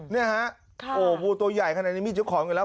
เนี่ยฮะโอ้งูตัวใหญ่ขนาดนี้มีเจ้าของอยู่แล้ว